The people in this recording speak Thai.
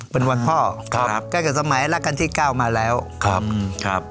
เป็นวันพ่อครับตั้งแต่สมัยรักกันที่เก้ามาแล้วครับครับ